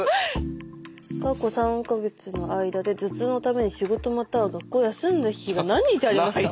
「過去３か月の間で頭痛のために仕事または学校を休んだ日が何日ありますか」。